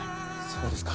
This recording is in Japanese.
そうですか。